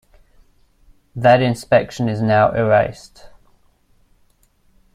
That inscription is now erased.